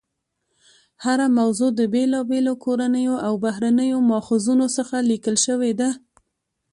هره موضوع د بېلابېلو کورنیو او بهرنیو ماخذونو څخه لیکل شوې ده.